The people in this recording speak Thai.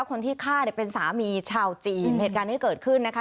คนที่ฆ่าเนี่ยเป็นสามีชาวจีนเหตุการณ์ที่เกิดขึ้นนะคะ